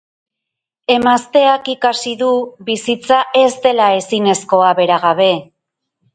Emazteak ikasi du bizitza ez dela ezinezkoa bera gabe.